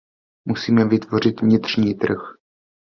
Musíme vytvořit vnitřní trh.